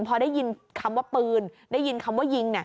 พอได้ยินคำว่าปืนได้ยินคำว่ายิง